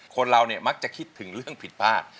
คนเราเนี่ยมักจะคิดถึงเรื่องผิดพลาด